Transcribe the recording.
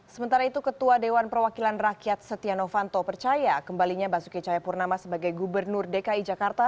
sementara itu ketua dewan perwakilan rakyat setia novanto percaya kembalinya basuki cahayapurnama sebagai gubernur dki jakarta